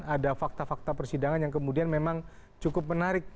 ada fakta fakta persidangan yang kemudian memang cukup menarik